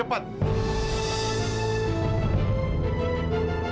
mama bantu jandra